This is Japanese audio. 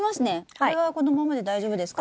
これはこのままで大丈夫ですか？